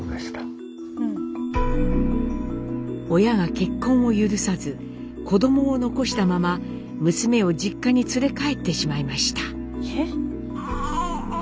親が結婚を許さず子どもを残したまま娘を実家に連れ帰ってしまいました。